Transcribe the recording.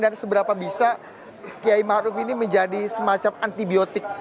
dan seberapa bisa kiai ma'ruf ini menjadi semacam antibiotik